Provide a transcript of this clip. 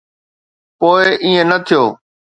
پوءِ ائين نه ٿيو.